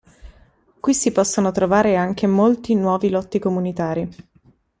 Qui si possono trovare anche molti nuovi lotti comunitari!